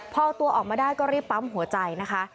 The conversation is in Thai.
พอเอาตัวออกมาได้ก็รีบปั๊มหัวใจนะคะ